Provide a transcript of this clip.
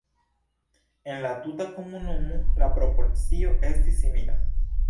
En la tuta komunumo la proporcio estis simila.